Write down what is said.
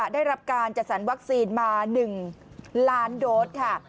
ได้รับการจัดสรรวัคซีนมา๑ล้านโดสค่ะ